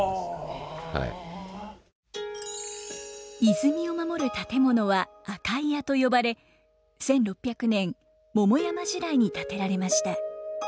泉を守る建物は閼伽井屋と呼ばれ１６００年桃山時代に建てられました。